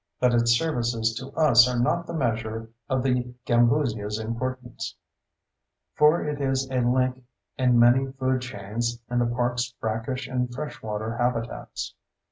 But its services to us are not the measure of the gambusia's importance, for it is a link in many food chains in the park's brackish and fresh water habitats.